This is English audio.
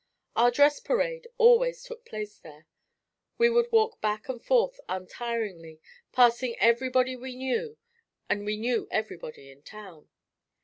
Our dress parade always took place there. We would walk back and forth untiringly, passing everybody we knew and we knew everybody in town.